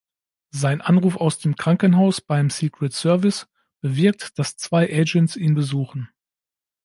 Sein Anruf aus dem Krankenhaus beim Secret Service bewirkt, dass zwei Agents ihn besuchen.